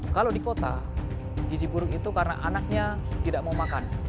kalau di kota gizi buruk itu karena anaknya tidak mau makan